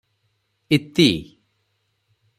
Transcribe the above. ଇତି ।